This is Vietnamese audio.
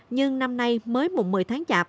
nhưng năm nay mới mùng một mươi tháng chạp